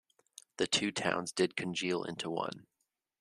The two towns did congeal into one.